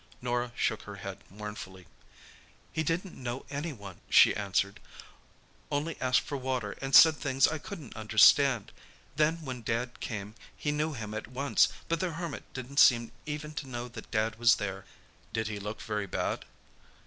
Norah shook her head mournfully. "He didn't know anyone," she answered, "only asked for water and said things I couldn't understand. Then when Dad came he knew him at once, but the Hermit didn't seem even to know that Dad was there." "Did he look very bad?"